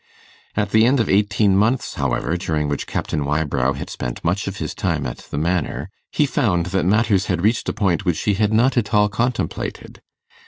At the end of eighteen months, however, during which Captain Wybrow had spent much of his time at the Manor, he found that matters had reached a point which he had not at all contemplated.